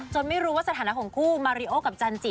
ไม่รู้ว่าสถานะของคู่มาริโอกับจันจิ